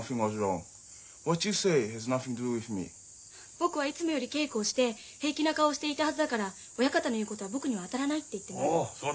僕はいつもより稽古をして平気な顔をしていたはずだから親方の言うことは僕にはあたらないって言ってます。